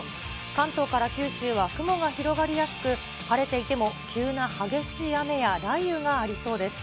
関東から九州は雲が広がりやすく、晴れていても急な激しい雨や雷雨がありそうです。